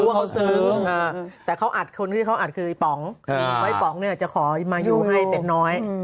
เขาซึ้งแต่เขาอัดคนที่เขาอัดคือป๋องป๋องจะขอมายูให้เป็นน้อย